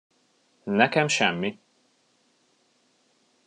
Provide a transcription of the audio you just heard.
Nekem semmi!